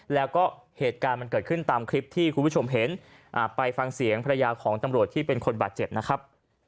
แล้วก็เหตุการณ์มันเกิดขึ้นตามคลิปที่คุณผู้ชมเห็นไปฟังเสียงภรรยาของตำรวจที่เป็นคนบาดเจ็บนะครับ